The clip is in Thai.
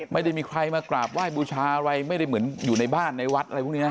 ไม่ได้มีใครมากราบไหว้บูชาอะไรไม่ได้เหมือนอยู่ในบ้านในวัดอะไรพวกนี้